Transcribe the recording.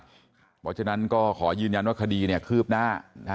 เพราะฉะนั้นก็ขอยืนยันว่าคดีคืบหน้า